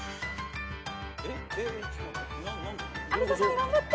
有田さん頑張って。